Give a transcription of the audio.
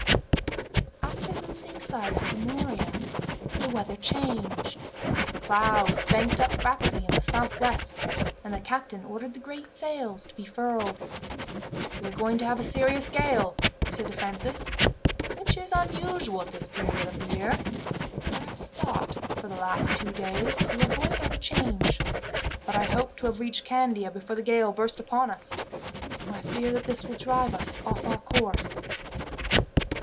After losing sight of the Morea the weather changed, clouds banked up rapidly in the southwest, and the captain ordered the great sails to be furled. "We are going to have a serious gale," he said to Francis, "which is unusual at this period of the year. I have thought, for the last two days, we were going to have a change, but I hoped to have reached Candia before the gale burst upon us. I fear that this will drive us off our course."